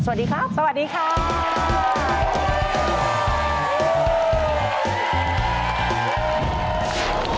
สวัสดีครับสวัสดีครับ